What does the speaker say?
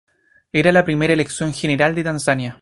Era la primera elección general de Tanzania.